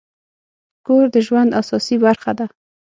کور د ژوند اساسي برخه ده.